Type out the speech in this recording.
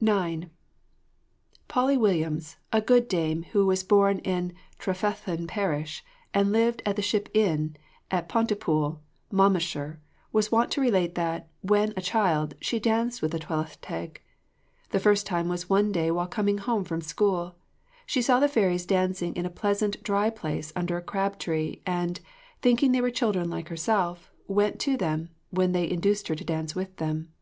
FOOTNOTE: Rev. T. R. Lloyd (Estyn), in 'The Principality.' IX. Polly Williams, a good dame who was born in Trefethin parish, and lived at the Ship Inn, at Pontypool, Monmouthshire, was wont to relate that, when a child, she danced with the Tylwyth Teg. The first time was one day while coming home from school. She saw the fairies dancing in a pleasant, dry place, under a crab tree, and, thinking they were children like herself, went to them, when they induced her to dance with them.